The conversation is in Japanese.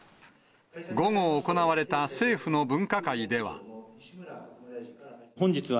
午後行われた政府の分科会では。